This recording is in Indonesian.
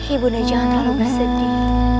ibu nda jangan terlalu bersedih